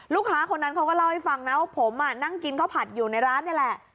ลูกค้าคนนั้นเขาก็เล่าให้ฟังนะว่าผมนั่งกินข้าวผัดอยู่ในร้านนี่แหละ